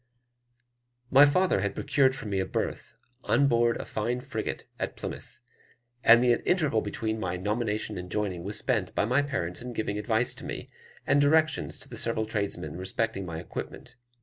My father had procured for me a berth on board a fine frigate at Plymouth, and the interval between my nomination and joining was spent by my parents in giving advice to me, and directions to the several tradesmen respecting my equipment.